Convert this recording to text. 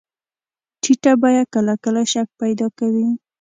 ټیټه بیه کله کله شک پیدا کوي.